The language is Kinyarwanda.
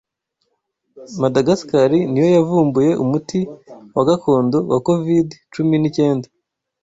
Madagascar niyo yavumbuye umuti wa gakondo wa covid cumi n'icyenda